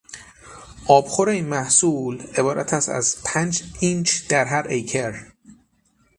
آبخور این محصول عبارتست از پنج اینچ در هر ایکر